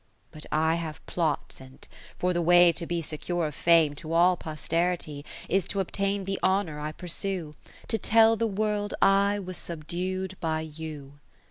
But I have plots in 't : for the way to be Secure of fame to all posterity, Is to obtain the honour I pursue. To tell the World I was subdu'd by you.